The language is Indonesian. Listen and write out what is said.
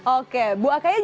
oke ibu akaya juga mengatakan